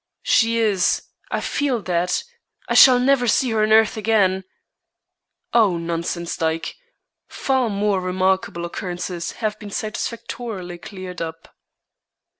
"She is. I feel that. I shall never see her on earth again." "Oh, nonsense, Dyke. Far more remarkable occurrences have been satisfactorily cleared up."